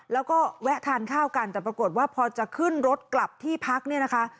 แล้วก็แวะทานข้าวกันแต่ปรากฏว่าพอจะขึ้นรถกลับที่พักเนี่ยนะคะ